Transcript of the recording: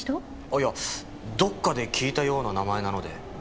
あっいやどこかで聞いたような名前なので。